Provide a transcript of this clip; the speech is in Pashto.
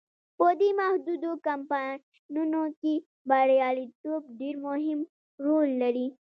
په دې محدودو کمپاینونو کې بریالیتوب ډیر مهم رول لري.